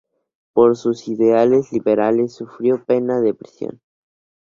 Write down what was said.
Por sus ideales liberales, sufrió pena de prisión.